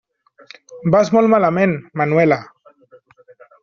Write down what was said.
Vas molt malament, Manuela.